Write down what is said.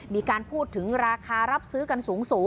มีการพูดถึงราคารับซื้อกันสูง